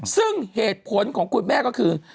ซึ่งเหตุผลของคุณแม่ก็คือ